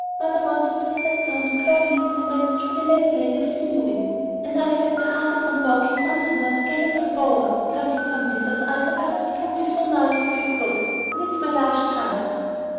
Mother wants me to step down to Clovelly with a message for the landlady of the New Inn, and I've set my heart upon walking once more to Gallantry Bower. Can't you come with us, Isabel? It would be so nice if you could, and it's my last chance."